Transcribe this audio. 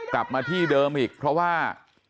กลับมาที่เดิมอีกเพราะว่า